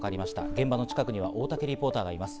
現場の近くには大竹リポーターがいます。